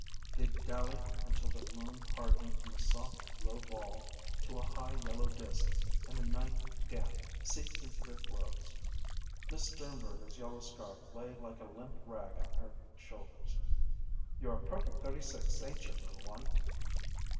They dallied until the moon hardened from a soft, low ball to a high, yellow disk and the night damp seeped into their clothes. Miss Sternberger's yellow scarf lay like a limp rag on her shoulders. "You're a perfect thirty six, ain't you, little one?"